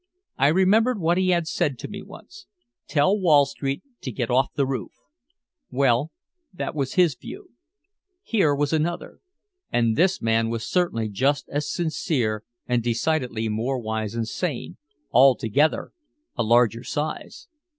I remembered what he had said to me once: "Tell Wall Street to get off the roof." Well, that was his view. Here was another. And this man was certainly just as sincere and decidedly more wise and sane, altogether a larger size.